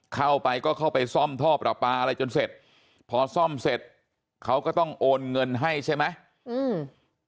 เข้าไปก็เข้าไปซ่อมท่อประปาอะไรจนเสร็จพอซ่อมเสร็จเขาก็ต้องโอนเงินให้ใช่ไหมอืม